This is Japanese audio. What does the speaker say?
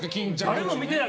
誰も見てない。